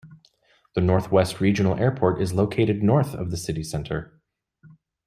The Northwest Regional Airport is located north of the city center.